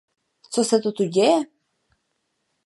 Co se to tu děje?